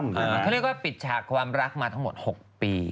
เขาเรียกว่าปิดฉากความรักมาทั้งหมด๖ปี